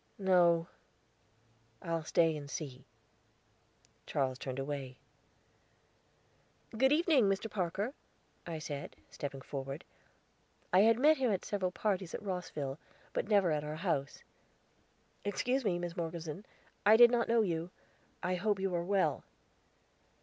"No; I'll stay and see." Charles turned away. "Good evening, Mr. Parker," I said, stepping forward. I had met him at several parties at Rosville, but never at our house. "Excuse me, Miss Morgeson; I did not know you. I hope you are well."